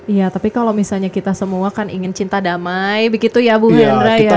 iya tapi kalau misalnya kita semua kan ingin cinta damai begitu ya bu hendra ya